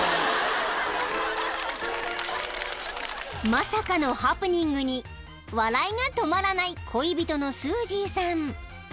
［まさかのハプニングに笑いが止まらない恋人のスージーさん］